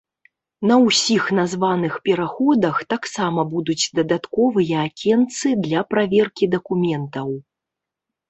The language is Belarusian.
На ўсіх названых пераходах таксама будуць дадатковыя акенцы для праверкі дакументаў.